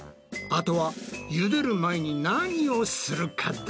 あとは茹でる前に何をするかだな。